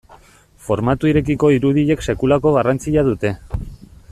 Formatu irekiko irudiek sekulako garrantzia dute.